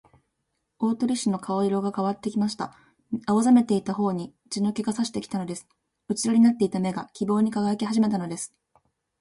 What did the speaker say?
大鳥氏の顔色がかわってきました。青ざめていたほおに血の気がさしてきたのです。うつろになっていた目が、希望にかがやきはじめたのです。